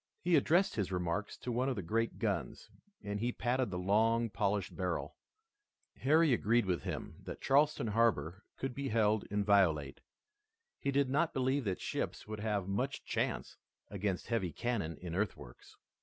He addressed his remarks to one of the great guns, and he patted the long, polished barrel. Harry agreed with him that Charleston harbor could be held inviolate. He did not believe that ships would have much chance against heavy cannon in earthworks.